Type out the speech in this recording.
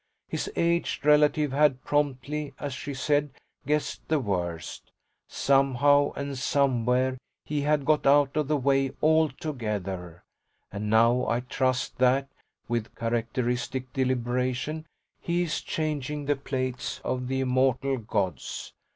His aged relative had promptly, as she said, guessed the worst. Somehow, and somewhere he had got out of the way altogether, and now I trust that, with characteristic deliberation, he is changing the plates of the immortal gods.